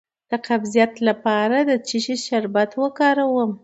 د قبضیت لپاره د څه شي شربت وکاروم؟